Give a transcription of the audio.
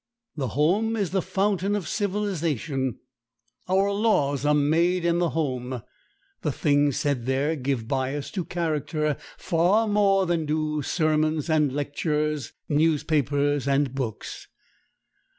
The home is the fountain of civilization. Our laws are made in the home. The things said there give bias to character far more than do sermons and lectures, newspapers and books.